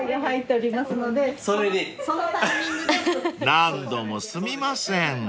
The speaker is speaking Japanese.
［何度もすみません］